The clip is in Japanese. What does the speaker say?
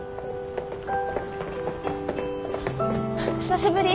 久しぶり。